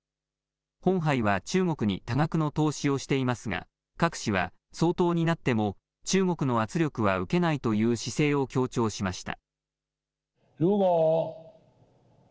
ホンハイは中国に多額の投資をしていますが、郭氏は、総統になっても中国の圧力は受けないという姿勢を強調しました。